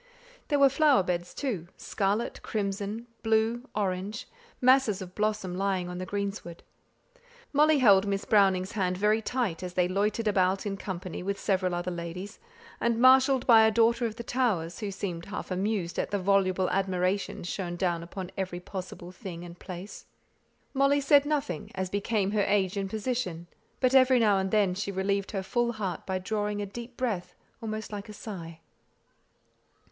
There were flower beds, too, scarlet, crimson, blue, orange; masses of blossom lying on the greensward. Molly held Miss Browning's hand very tight as they loitered about in company with several other ladies, and marshalled by a daughter of the Towers, who seemed half amused at the voluble admiration showered down upon every possible thing and place. Molly said nothing, as became her age and position, but every now and then she relieved her full heart by drawing a deep breath, almost like a sigh.